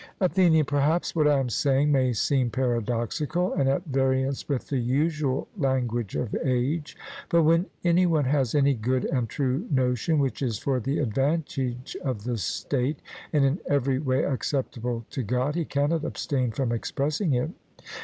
ATHENIAN: Perhaps what I am saying may seem paradoxical, and at variance with the usual language of age. But when any one has any good and true notion which is for the advantage of the state and in every way acceptable to God, he cannot abstain from expressing it.